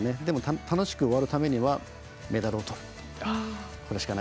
でも、楽しく終わるためにはメダルをとる。